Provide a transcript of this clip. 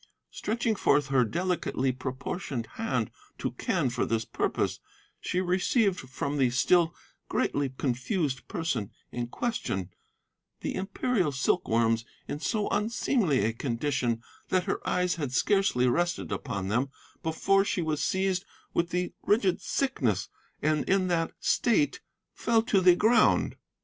Stretching forth her delicately proportioned hand to Quen for this purpose, she received from the still greatly confused person in question the Imperial silkworms in so unseemly a condition that her eyes had scarcely rested upon them before she was seized with the rigid sickness, and in that state fell to the ground.